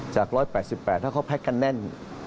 จาก๑๘๘ถ้าเขาแพ็คกันแน่น